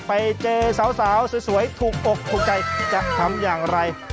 ไปเจอสาวสวยถูกอกถูกใจจะทำอย่างไร